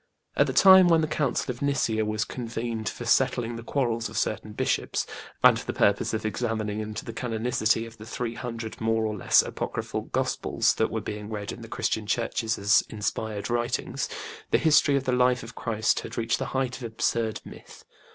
At the time when the Council of Nicea was convened for settling the quarrels of certain bishops, and for the purpose of examining into the canonicity of the three hundred more or less apocryphal gospels that were being read in the Christian churches as inspired writings, the history of the life of Christ had reached the height of absurd myth.